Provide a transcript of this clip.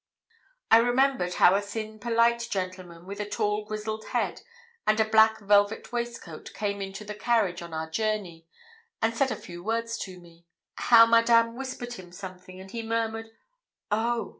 I remembered how a thin polite gentleman, with a tall grizzled head and a black velvet waistcoat, came into the carriage on our journey, and said a few words to me; how Madame whispered him something, and he murmured 'Oh!'